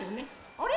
あれ？